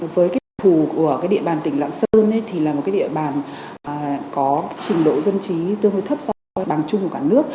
với cái đặc thù của địa bàn tỉnh lạng sơn thì là một cái địa bàn có trình độ dân trí tương đối thấp so với bằng chung của cả nước